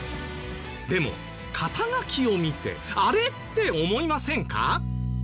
でも肩書を見て「あれ？」って思いませんか？